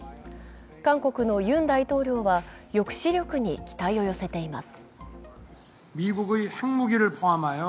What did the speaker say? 韓国のユン大統領は抑止力に期待を寄せています。